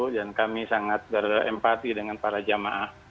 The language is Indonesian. dan kami sangat berempati dengan para jamaah